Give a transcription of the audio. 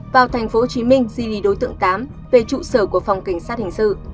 vào thành phố hồ chí minh di lý đối tượng tám về trụ sở của phòng cảnh sát hình sự